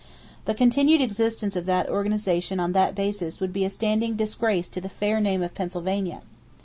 The continued existence of that organization on that basis would be a standing disgrace to the fair name of Pennsylvania.